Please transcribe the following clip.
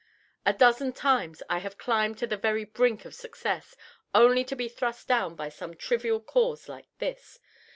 A dozen times I have climbed to the very brink of success, only to be thrust down by some trivial cause like this.